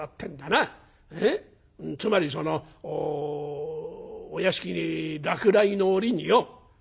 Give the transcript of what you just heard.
つまりそのお屋敷にらくらいの折によ」。